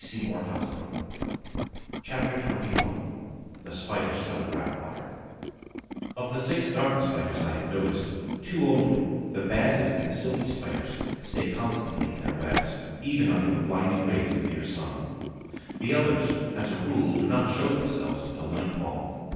CHAPTER XXI THE SPIDER'S TELEGRAPH WIRE Of the six Garden Spiders I have noticed, two only, the Banded and the Silky Spiders, stay constantly in their webs, even under the blinding rays of a fierce sun. The others, as a rule, do not show themselves until nightfall.